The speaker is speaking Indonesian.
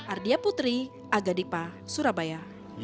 ardia putri agadipa surabaya